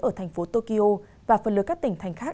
ở thành phố tokyo và phần lớn các tỉnh thành khác